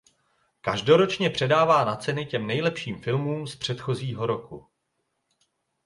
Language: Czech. Každoročně předává na ceny těm nejlepším filmům z předchozího roku.